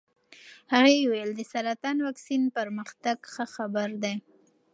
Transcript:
هغې وویل د سرطان واکسین پرمختګ ښه خبر دی.